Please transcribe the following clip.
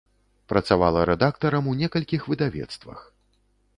Працавала рэдактарам у некалькіх выдавецтвах.